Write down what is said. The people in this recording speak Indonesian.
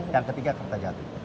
yang ketiga kereta jati